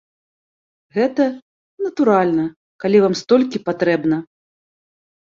Гэта, натуральна, калі вам столькі патрэбна.